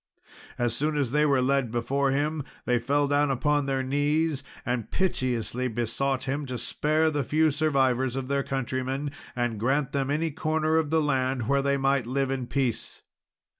As soon as they were led before him they fell down upon their knees, and piteously besought him to spare the few survivors of their countrymen, and grant them any corner of the land where they might live in peace.